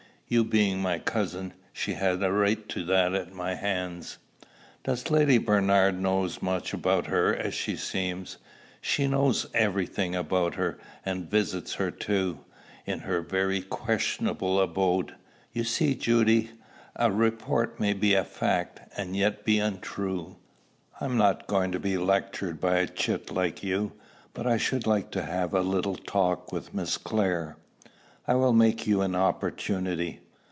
You being my cousin, she had a right to that at my hands." "Does Lady Bernard know as much about her as she seems?" "She knows every thing about her, and visits her, too, in her very questionable abode. You see, Judy, a report may be a fact, and yet be untrue." "I'm not going to be lectured by a chit like you. But I should like to have a little talk with Miss Clare." "I will make you an opportunity."